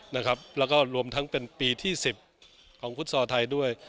แล้วก็รวมทั้งเป็นปีที่๑๐ของฟุตซอลไทยด้วย